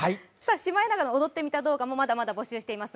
シマエナガの「踊ってみた」動画もまだ募集しています。